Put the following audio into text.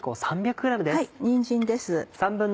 にんじんです。